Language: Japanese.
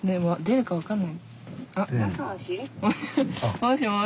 もしもし。